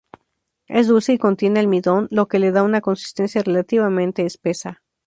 Es dulce y contiene almidón, lo que le da una consistencia relativamente espesa.